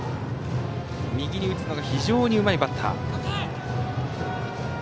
右に打つのが非常にうまいバッター。